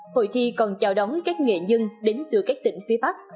hội thi còn chào đón các nghệ nhân đến từ các tỉnh phía bắc